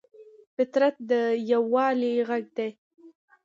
فطرت د یووالي غږ دی.